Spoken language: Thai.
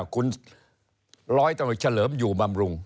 คุณล้อยต้องเฉลิมอยู่บำรุง